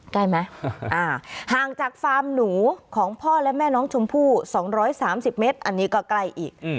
ได้ไหมห่างจากฟาร์มหนูของพ่อและแม่น้องชมพู่๒๓๐เมตรอันนี้ก็ใกล้อีก